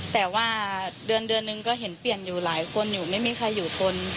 แต่ว่าเดือนเดือนนึงก็เห็นเปลี่ยนอยู่หลายคนอยู่ไม่มีใครอยู่ทน